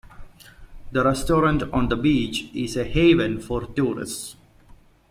The restaurant on the beach is a haven for tourists.